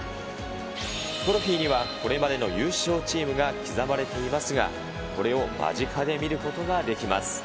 トロフィーにはこれまでの優勝チームが刻まれていますが、これを間近で見ることができます。